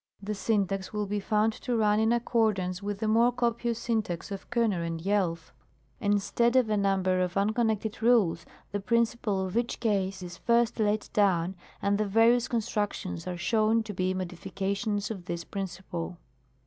The syntax will be found to run in accordance with the more copious syntax of Kuhner and Jelf. Instead of a number of unconnected rules, the principle of each case is first laid down, and the various constructions are shewn to be modifications of this principle.